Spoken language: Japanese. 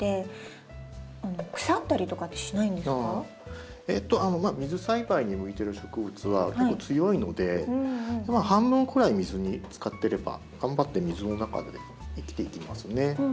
こうやって水に浸けるって水栽培に向いてる植物は強いので半分くらい水に浸かってれば頑張って水の中で生きていきますね。